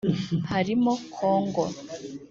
harimo Congo